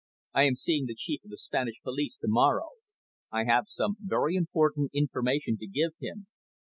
I am seeing the Chief of the Spanish police to morrow. I have some very important information to give him."